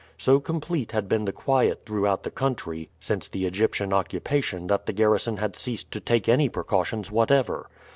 So complete had been the quiet throughout the country since the Egyptian occupation that the garrison had ceased to take any precautions whatever.